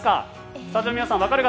スタジオの皆さん、わかる方？